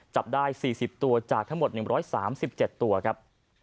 จับได้สี่สิบตัวจากทั้งหมดหนึ่งบร้อยสามสิบเจ็ดตัวครับ